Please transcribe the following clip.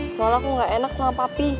soalnya aku gak enak sama papi